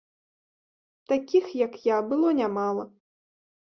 Такіх, як я, было нямала.